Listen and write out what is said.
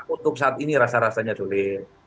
untuk saat ini rasa rasanya sulit